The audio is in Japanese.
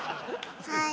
はい。